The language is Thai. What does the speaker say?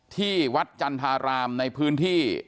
ที่วัดจันทรารามในพื้นที่